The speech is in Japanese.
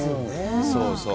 そうそう。